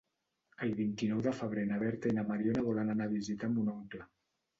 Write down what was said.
El vint-i-nou de febrer na Berta i na Mariona volen anar a visitar mon oncle.